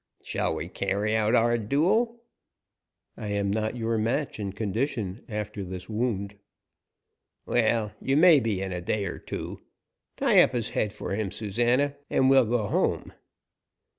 "Shall we carry out our duel?" "I am not your match in condition, after this wound." "Well, you may be in a day or two. Tie up his head for him, Susana, and we'll go home."